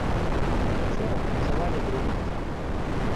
Учора працавалі другі дзень.